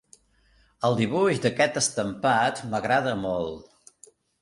El dibuix d'aquest estampat m'agrada molt.